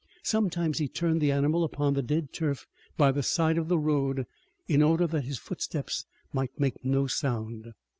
Sometimes he turned the animal upon the dead turf by the side of the road in order that his footsteps might make no sound.